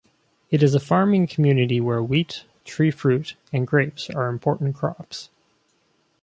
It is a farming community where wheat, tree fruit, and grapes are important crops.